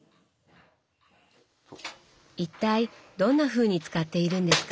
一体どんなふうに使っているんですか？